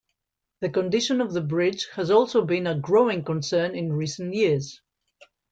The condition of the bridge has also been a growing concern in recent years.